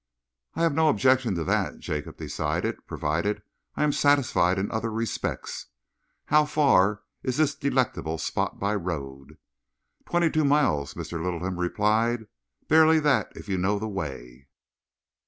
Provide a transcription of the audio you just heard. "I have no objection to that," Jacob decided, "provided I am satisfied in other respects. How far is this delectable spot by road?" "Twenty two miles," Mr. Littleham replied. "Barely that if you know the way."